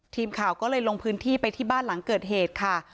ทีมข่าวก็เลยลงพื้นที่ไปที่บ้านหลังเกิดเหตุค่ะ